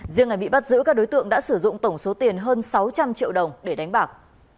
riêng ngày bị bắt giữ các đối tượng đã sử dụng tổng số tiền hơn sáu trăm linh triệu đồng để đánh bạc